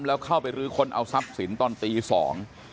แล้วเข้าไปรื้อค้นเอาทรัพย์สินตอนตีสอง